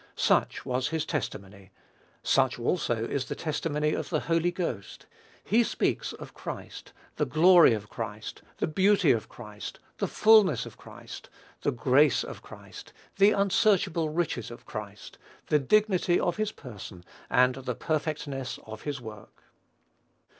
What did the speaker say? Such was his testimony. Such also is the testimony of the Holy Ghost He speaks of Christ, the glory of Christ, "the beauty of Christ, the fulness of Christ, the grace of Christ, the unsearchable riches of Christ," the dignity of his Person and the perfectness of his work.